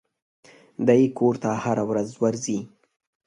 دى کور ته هره ورځ ځي.